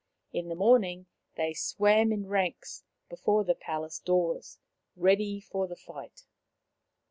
In the morning they swam in ranks before the palace doors, ready for the fight.